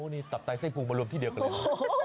นี่ตับไตไส้พุงมารวมที่เดียวกันเลย